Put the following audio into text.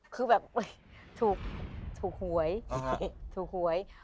คือแบบถูกหวย